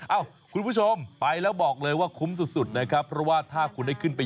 เอ้าคุณผู้ชมไปแล้วบอกเลยว่าคุ้มสุดนะครับเพราะว่าถ้าคุณได้ขึ้นไป